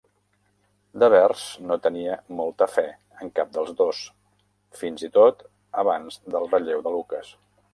Devers no tenia molta fe en cap dels dos, fins i tot abans del relleu de Lucas.